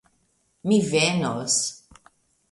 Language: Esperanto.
Mi venos!